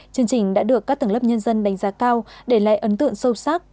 chương trình đã được các tầng lớp nhân dân đánh giá cao để lại ấn tượng sâu sắc